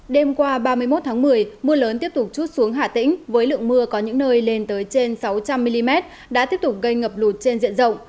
đêm qua ba mươi một tháng một mươi mưa lớn tiếp tục chút xuống hà tĩnh với lượng mưa có những nơi lên tới trên sáu trăm linh mm đã tiếp tục gây ngập lụt trên diện rộng